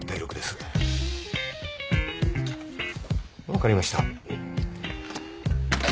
分かりました。